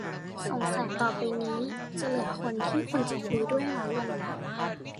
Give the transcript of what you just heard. สงสัยต่อไปนี้ จะเหลือคนที่คุณจะคุยด้วยน้อยลงนะ